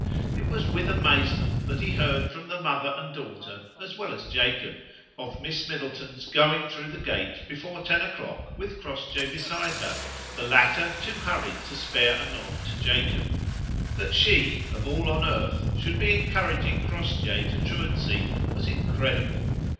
It was with amazement that he heard from the mother and daughter, as well as Jacob, of Miss Middleton's going through the gate before ten o'clock with Crossjay beside her, the latter too hurried to spare a nod to Jacob. That she, of all on earth, should be encouraging Crossjay to truancy was incredible.